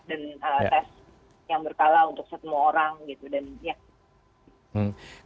dan tes yang berkala untuk semua orang gitu dan ya